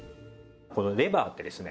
このレバーってですね